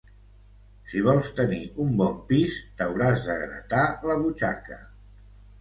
Si vols tenir un bon pis, t'hauràs de gratar la butxaca.